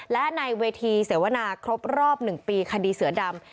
และในเวทีเสวนาครบรอบ๑ปีคดีเสือดำ